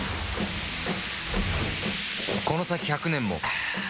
この先１００年もアーーーッ‼